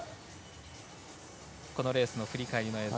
このレースの振り返りの映像。